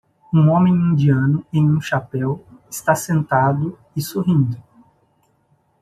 Um homem indiano em um chapéu está sentado e sorrindo.